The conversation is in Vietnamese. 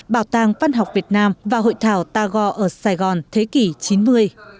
bảo tàng văn học việt nam và hội thảo tagore ở sài gòn thế kỷ chín mươi